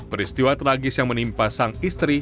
peristiwa tragis yang menimpa sang istri